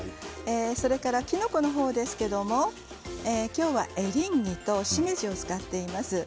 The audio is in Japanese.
それからキノコの方ですけれど今日はエリンギとしめじを使っています。